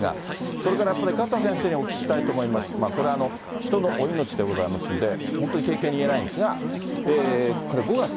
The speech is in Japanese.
それから勝田先生にお聞きしたいと思いますが、これは人のお命でございますので、本当に軽々に言えないんですが、５月。